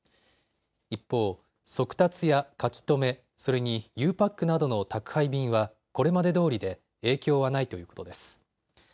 一方、速達や書留、それにゆうパックなどの宅配便はこれまでどおりで影響はないということです。